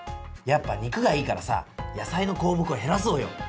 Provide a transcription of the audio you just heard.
やっぱ肉がいいからさ野菜の項目を減らそうよ！